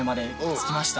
着きました。